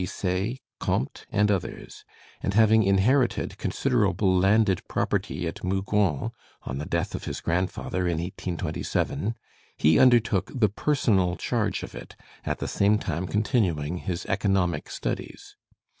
B. Say, Comte, and others; and having inherited considerable landed property at Mugron on the death of his grandfather in 1827, he undertook the personal charge of it, at the same time continuing his economic studies.